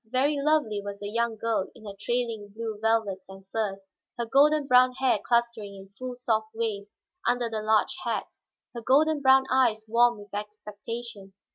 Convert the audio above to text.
Very lovely was the young girl in her trailing blue velvets and furs; her golden brown hair clustering in full, soft waves under the large hat, her golden brown eyes warm with expectation.